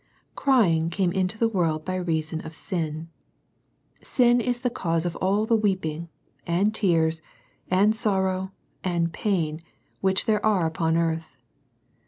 Crying came into the world by reason of sin. Sin is the cause of all the weeping, and tears, and sorrow, and pain, which there are upon earth.